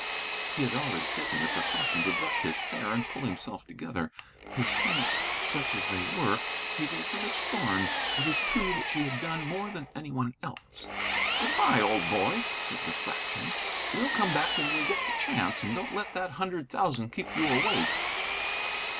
He had already taken the precaution to brush his hair and pull himself together. His thanks, such as they were, he gave to Miss Thorn. It is true that she had done more than any one else. "Good bye, old boy!" said the Fraction. "We'll come back when we get the chance, and don't let that hundred thousand keep you awake."